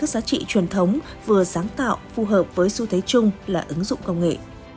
giá trị truyền thống vừa sáng tạo phù hợp với xu thế chung là ứng dụng công nghệ